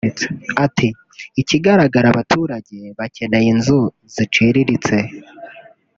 Ati “Ikigaragara abaturage bakeneye inzu ziciriritse